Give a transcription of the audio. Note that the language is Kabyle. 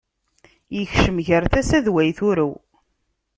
Ikcem gar tasa,d way turew.